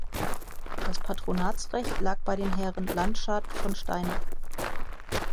Das Patronatsrecht lag bei den Herren Landschad von Steinach.